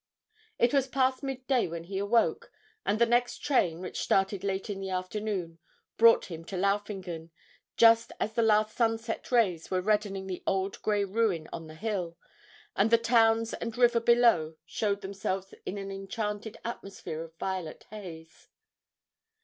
It was past midday when he awoke, and the next train, which started late in the afternoon, brought him to Laufingen, just as the last sunset rays were reddening the old grey ruin on the hill, and the towns and river below showed themselves in an enchanted atmosphere of violet haze.